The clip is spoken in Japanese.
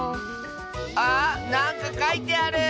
あなんかかいてある！